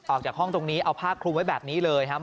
ออกจากห้องตรงนี้เอาผ้าคลุมไว้แบบนี้เลยครับ